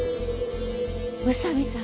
宇佐見さん